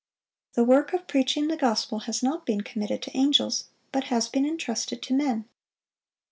The work of preaching the gospel has not been committed to angels, but has been intrusted to men.